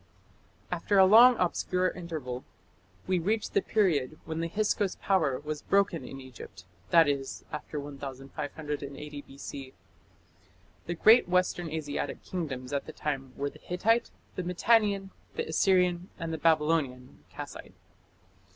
After a long obscure interval we reach the period when the Hyksos power was broken in Egypt, that is, after 1580 B.C. The great Western Asiatic kingdoms at the time were the Hittite, the Mitannian, the Assyrian, and the Babylonian (Kassite).